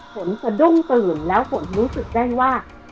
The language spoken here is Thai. ฝนสะดุ้งตื่นแล้วฝนรู้สึกได้ว่า